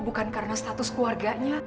bukan karena status keluarganya